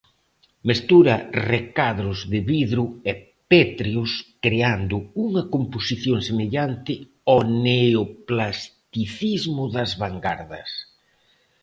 Mestura recadros de vidro e pétreos creando unha composición semellante ao neoplasticismo das vangardas.